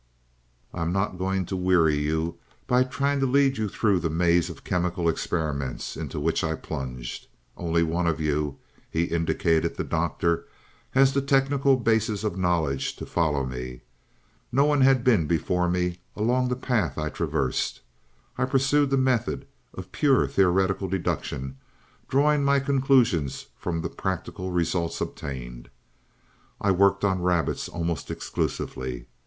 "I am not going to weary you by trying to lead you through the maze of chemical experiments into which I plunged. Only one of you," he indicated the Doctor, "has the technical basis of knowledge to follow me. No one had been before me along the path I traversed. I pursued the method of pure theoretical deduction, drawing my conclusions from the practical results obtained. "I worked on rabbits almost exclusively.